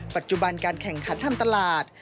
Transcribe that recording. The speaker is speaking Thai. ปัจจุบันการแข่งขันทำตลาด